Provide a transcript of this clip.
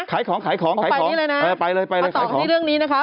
ขายของขายของขายของเลยนะเออไปเลยไปเลยต่อที่เรื่องนี้นะคะ